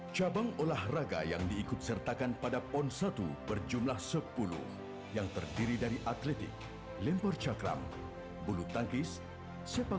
cabang olahraga yang diikut sertakan pada pon satu berjumlah sepuluh yang terdiri dari atletik lembor cakram bulu tangkis sepak bola